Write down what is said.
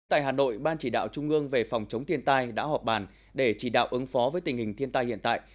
tại hà nội ban chỉ đạo trung ương về phòng chống thiên tai đã họp bàn để chỉ đạo ứng phó với tình hình thiên tai hiện tại